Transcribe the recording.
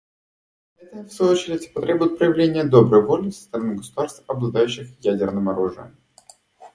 Это, в свою очередь, потребует проявления доброй воли со стороны государств, обладающих ядерным оружием.